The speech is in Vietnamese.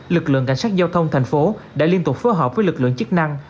lực lượng cảnh sát giao thông thành phố đã liên tục phối hợp với lực lượng chức năng